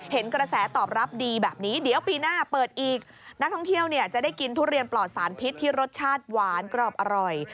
เห็นกระแสตอบรับดีแบบนี้เดี๋ยวปีหน้าเปิดอีกนักท่องเที่ยวเนี่ยจะได้กินทุเรียนปลอดสารพิษที่รสชาติหวานกรอบอร่อย